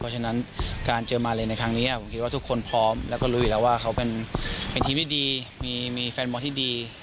เพราะฉะนั้นการเจอมาเลในครั้งนี้ผมคิดว่าทุกคนพร้อมแล้วก็รู้อยู่แล้วว่าเขาเป็นทีมที่ดีมีแฟนบอลที่ดี